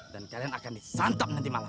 dan kalian akan disantap nanti malam